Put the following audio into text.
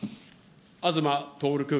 東徹君。